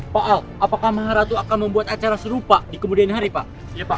pak al apakah mangratu akan membuat acara serupa di kemudian hari pak